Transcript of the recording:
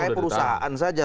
saya perusahaan saja